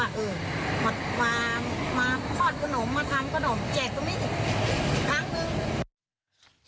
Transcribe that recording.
มาคลอดขนมมาทำขนมแจกก็ไม่ได้อีกครั้งหนึ่ง